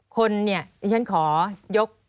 คนเนี่ยดิฉันขอยก